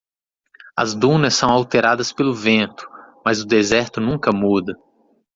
As dunas são alteradas pelo vento?, mas o deserto nunca muda.